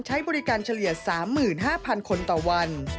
ใช้บริการเฉลี่ย๓๕๐๐๐คนต่อวัน